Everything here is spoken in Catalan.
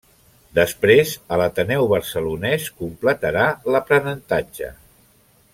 Després, a l'Ateneu Barcelonès completarà l'aprenentatge.